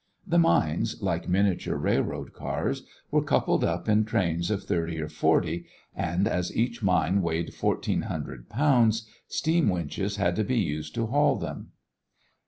The mines, like miniature railroad cars, were coupled up in trains of thirty or forty and as each mine weighed fourteen hundred pounds, steam winches had to be used to haul them.